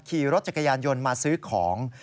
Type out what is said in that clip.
ขี่รถจักรยานยนต์มาซื้อของ